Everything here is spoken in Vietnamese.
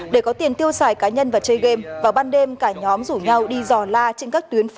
để có tiền tiêu xài cá nhân và chơi game vào ban đêm cả nhóm rủ nhau đi dò la trên các tuyến phố